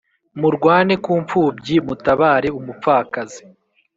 murwane ku mpfubyi, mutabare umupfakazi.